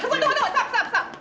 tunggu tunggu stop stop stop